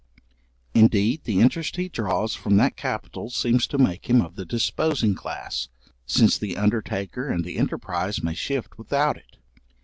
Indeed, the interest he draws from that capital seems to make him of the disposing class, since the undertaker and the enterprise may shift without it.